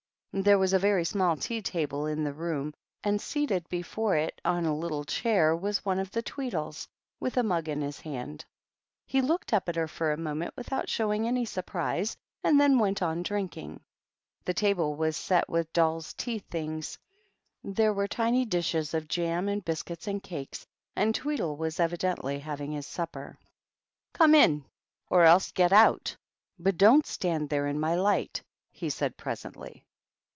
There was a very small tea table in the room, and seated before it on a little chair was one of the Tweedles, with a mug in his hand. He looked up at her for a moment without showing any surprise, and then went on drinking. The table was set with dolls' tea things; there were tiny dishes of jam and biscuits and cakes, and Tweedle was evidently having his supper. "Come in, or else get out; but don't stand there in my light," he said, presently.